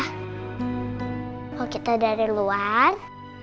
kalau kita dari luar